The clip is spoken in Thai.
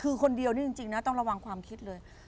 คือคนเดียวนี่จริงนะต้องระวังความคิดเลย